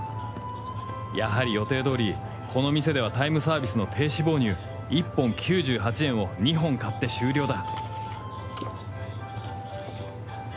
やはり予定どおりこの店ではタイムサービスの低脂肪乳１本９８円を２本買って終了だ